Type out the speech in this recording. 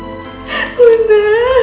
saya marah denging dorm